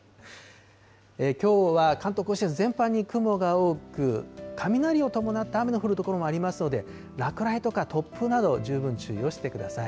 きょうは関東甲信越、全般に雲が多く、雷を伴った雨の降る所もありますので、落雷とか突風など、十分注意をしてください。